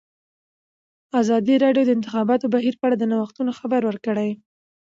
ازادي راډیو د د انتخاباتو بهیر په اړه د نوښتونو خبر ورکړی.